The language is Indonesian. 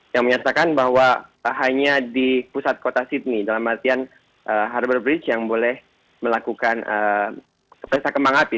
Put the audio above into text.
yang menyatakan bahwa hanya di pusat kota sydney dalam artian harbor bridge yang boleh melakukan pesta kembang api